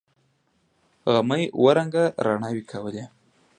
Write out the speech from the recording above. غمي اوه رنگه رڼاوې کولې.